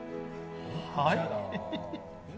はい？